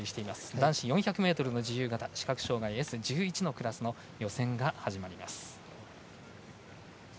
男子４００ｍ自由形視覚障がいＳ１１のクラスの予選が始まります。